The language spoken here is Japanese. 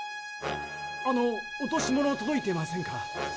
あの落とし物届いてませんか？